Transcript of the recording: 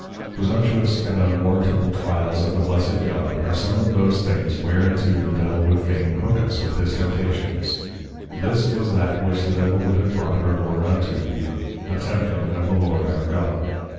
Presumptuous and Unwarrantable Trials of the Blessed God, are some of those things whereinto the Devil would fain hook us with his Temptations. This was that which the Devil would have brought our Lord unto, even, A tempting of the Lord our God.